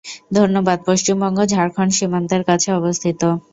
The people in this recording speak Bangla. ধানবাদ পশ্চিমবঙ্গ-ঝাড়খন্ড সীমান্তের কাছে অবস্থিত।